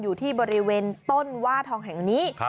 อยู่ที่บริเวณต้นว่าทองแห่งนี้